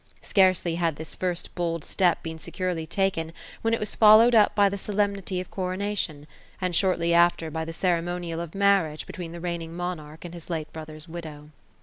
Scarcely had this first bold step been securely taken, when it was followed up by the solemnity of coronation ; and shortly after, by the ceremonial of marriage between the reigning monarch and his late brother's widow.